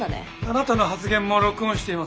あなたの発言も録音しています。